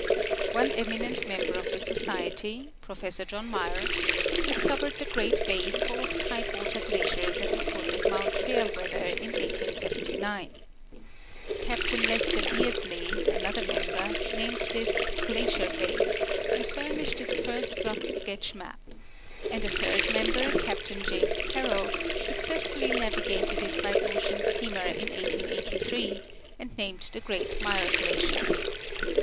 One eminent member of the Society, Professor John Muir, discovered the great bay full of tide water glaciers at the foot of mount Fairweather in 1879. Captain Lester Beardslee, another member, named this Glacier bay, and furnished its first rough sketch majD ; and a third member, Captain James Carroll, suc cessfully navigated it by ocean steamer in 1883, and named the great Muir glacier.